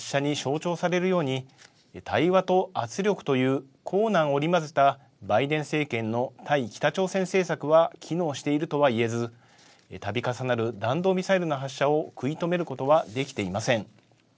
しかし今回の発射に象徴されるように対話と圧力という硬軟織り交ぜたバイデン政権の対北朝鮮政策は機能しているとは言えず、たび重なる弾道ミサイルの発射を食い止めることはできていません。